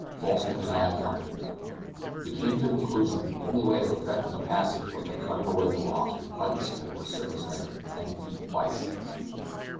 Falsten and I accompanied them. We came to the conclusion that the only way of effecting a passage was by cutting away the rocks with pikes over a surface measuring ten feet by six.